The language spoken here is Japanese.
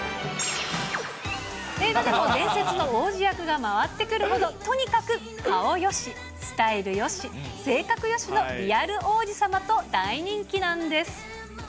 映画でも伝説の王子役が回ってくるほど、とにかく顔よし、スタイルよし、性格よしのリアル王子様と大人気なんです。